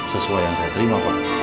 sesuai yang saya terima pak